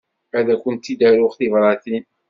Ad akent-id-aruɣ tibratin.